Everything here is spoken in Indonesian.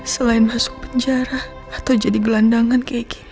selain masuk penjara atau jadi gelandangan kayak gini